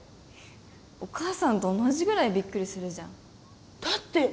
お母さんと同じぐらいびっくりするじゃんだって